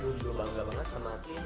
gue juga bangga banget sama tim